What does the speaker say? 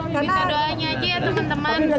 minta doanya aja ya teman teman